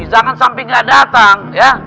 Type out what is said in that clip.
jangan sampai nggak datang ya